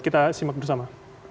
kita simak bersama